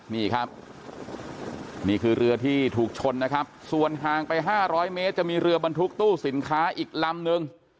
นี่ครับนี่คือเรือที่ถูกชนนะครับส่วนห่างไป๕๐๐เมตรจะมีเรือบรรทุกตู้สินค้าอีกลำนึง